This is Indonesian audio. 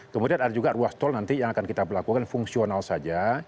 kemudian ada juga ruas tol nanti yang akan kita lakukan fungsional saja